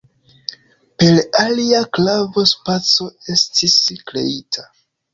Per alia klavo spaco estis kreita.